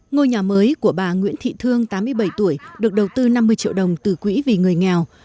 ngôi nhà mới của bà nguyễn thị thương tám mươi bảy tuổi được đầu tư năm mươi triệu đồng từ quỹ vì người nghèo